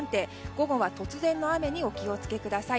午後は突然の雨にお気を付けください。